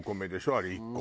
あれ１個。